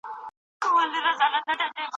د لويديځ کلتور ډېرو سيمو ته ولېږدول سو.